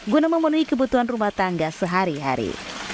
guna memenuhi kebutuhan rumah tangga sehari hari